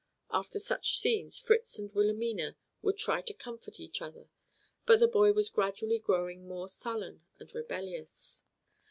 After such scenes Fritz and Wilhelmina would try to comfort each other, but the boy was gradually growing more sullen and rebellious.